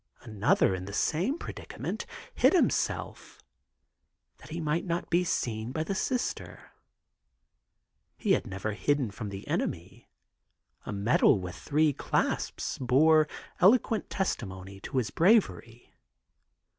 Another in the same predicament hid himself that he might not be seen by the Sister. He had never hidden from the enemy; a medal with three clasps bore eloquent testimony to his bravery.